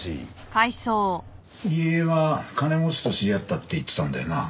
入江は金持ちと知り合ったって言ってたんだよな？